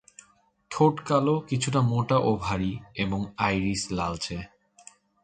ঠোঁট কালো, কিছুটা মোটা ও ভারী এবং আইরিস লালচে।